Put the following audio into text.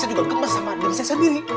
saya juga kemas sama diri saya sendiri